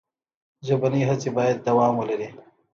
ژبنۍ هڅې باید دوام ولري.